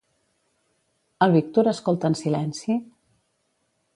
El Víctor escolta en silenci?